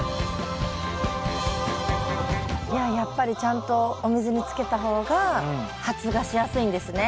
いややっぱりちゃんとお水につけた方が発芽しやすいんですね。